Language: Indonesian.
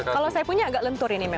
kalau saya punya agak lentur ini